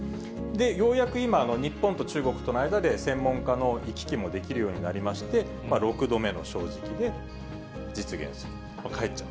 ようやく今、日本と中国との間で専門家の行き来もできるようになりまして、６度目の正直で、実現すると、帰っちゃう。